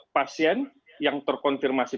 pasien yang terkonfirmasi